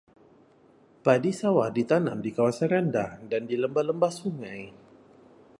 Padi sawah ditanam di kawasan rendah dan di lembah-lembah sungai.